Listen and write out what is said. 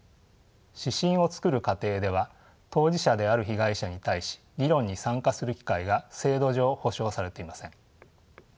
指針を作る過程では当事者である被害者に対し議論に参加する機会が制度上保障されていません。